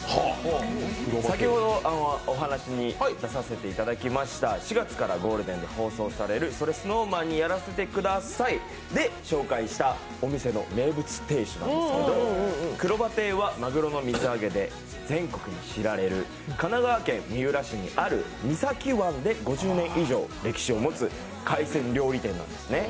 先ほどお話に出させていただきました、４月からゴールデンで放送される「それＳｎｏｗＭａｎにやらせて下さい」で紹介したお店の名物店主なんですけどくろば亭はマグロの水揚げで全国に知られる神奈川県三浦市三崎湾で５０年の歴史を持つ海鮮料理店なんですね。